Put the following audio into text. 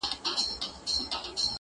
په اووه زورورو ورځو کي کيسه ده,